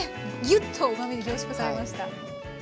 ぎゅっとうまみ凝縮されました。